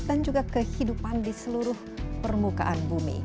dan juga kehidupan di seluruh permukaan bumi